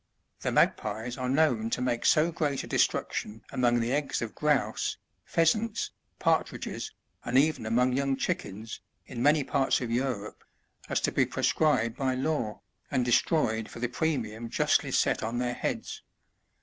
The Magpies are known to make so great a destruction among the eggs of grouse, pheasants, partridges, and even among young chickens, in many parts of Europe, as to be proscribed by law, and destroyed for the premium justly set on their heads.